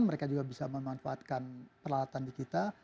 mereka juga bisa memanfaatkan peralatan di kita